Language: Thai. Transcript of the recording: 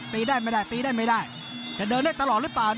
ตีได้ไม่ได้ตีได้ไม่ได้จะเดินได้ตลอดหรือเปล่า